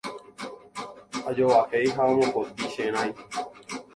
Ajovahéi ha amopotĩ che rãi.